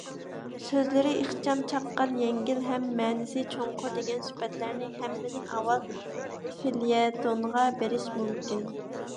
سۆزلىرى ئىخچام، چاققان، يەڭگىل ھەم مەنىسى چوڭقۇر دېگەن سۈپەتلەرنى ھەممىدىن ئاۋۋال فېليەتونغا بېرىش مۇمكىن.